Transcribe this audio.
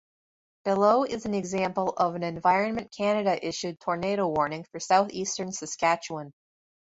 Below is an example of an Environment Canada-issued tornado warning for southeastern Saskatchewan.